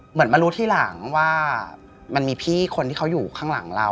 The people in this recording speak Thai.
เหมือนมารู้ทีหลังว่ามันมีพี่คนที่เขาอยู่ข้างหลังเรา